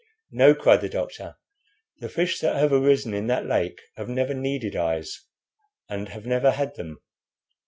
"No," cried the doctor; "the fish that have arisen in that lake have never needed eyes, and have never had them."